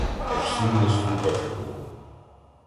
Аж сумно слухати було.